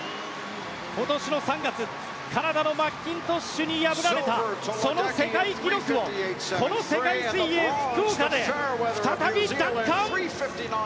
今年の３月、カナダのマッキントッシュに破られたその世界記録をこの世界水泳福岡で再び奪還！